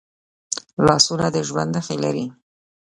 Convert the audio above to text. لاسونه د ژوند نښې لري